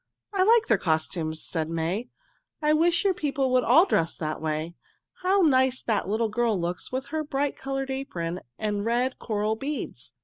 "I like their costumes," said May. "I wish your people would all dress that way. How nice that little girl looks with her bright colored apron and red coral beads.